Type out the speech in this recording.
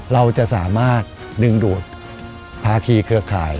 เราจะสามารถดึงดูดภาคีเครือข่าย